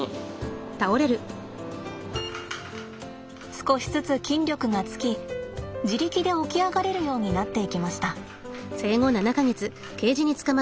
少しずつ筋力がつき自力で起き上がれるようになっていきました。